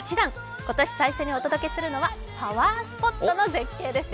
今年最初にお届けするのはパワースポットの絶景ですよ。